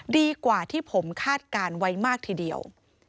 ดีกว่าที่ผมคาดการณ์ไว้มากทีเดียว